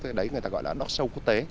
cái đấy người ta gọi là dog show quốc tế